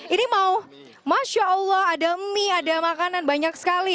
ini mau masya allah ada mie ada makanan banyak sekali